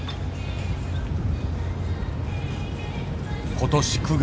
今年９月。